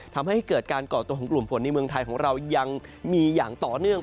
ทำให้เกิดการก่อตัวของกลุ่มฝนในเมืองไทยของเรายังมีอย่างต่อเนื่อง